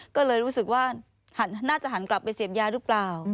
ก็เลยรู้สึกว่าน่าจะหันกลับไปเสพยาหรือเปล่า